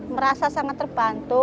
merasa sangat terbantu